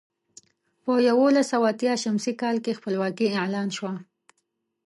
په یولس سوه اتيا ه ش کال کې خپلواکي اعلان شوه.